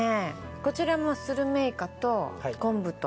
こちらもスルメイカと昆布と。